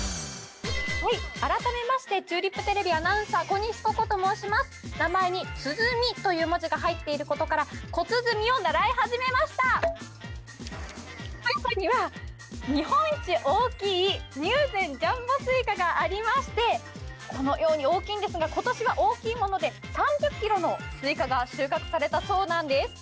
改めましてチューリップテレビアナウンサー小西鼓子と申します名前に鼓という文字が入っていることから小鼓を習い始めました富山には日本一大きい入善ジャンボ西瓜がありましてこのように大きいんですが今年は大きいもので３０ｋｇの西瓜が収穫されたそうなんです